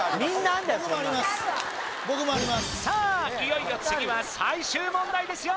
いよいよ次は最終問題ですよ